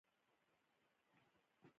د زابل ولایت د شا جوی ولسوالۍ اوسېدونکی.